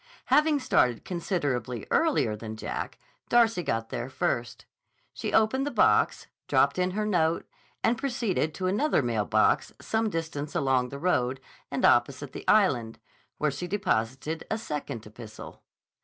Having started considerably earlier than Jack, Darcy got there first. She opened the box, dropped in her note, and proceeded to another mail box some distance along the road and opposite the Island, where she deposited a second epistle.